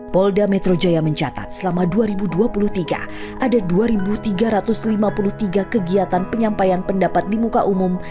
polda metro jaya mencatat selama dua ribu dua puluh tiga ada dua tiga ratus lima puluh tiga kegiatan penyampaian pendapat di muka umum